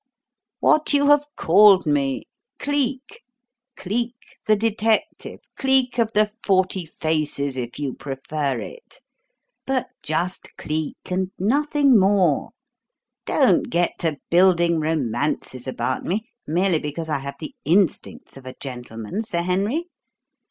"What you have called me 'Cleek.' Cleek the detective, Cleek of the Forty Faces, if you prefer it; but just 'Cleek' and nothing more. Don't get to building romances about me merely because I have the instincts of a gentleman, Sir Henry.